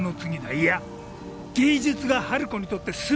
いや芸術が春子にとって全てなんだ。